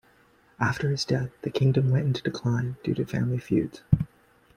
After his death, the kingdom went into decline due to family feuds.